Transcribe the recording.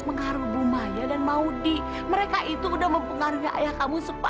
mengaruhi maya dan maudy mereka itu udah mempengaruhi ayah kamu supaya kamu itu mencat fajar